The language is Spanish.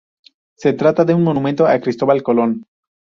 Se trata de un monumento a Cristobal Colón.